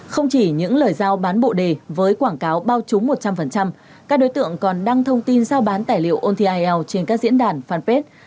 không chỉ những lời giao bán bộ đề với quảng cáo bao trúng một trăm linh các đối tượng còn đăng thông tin giao bán tài liệu ontil trên các diễn đàn fanpage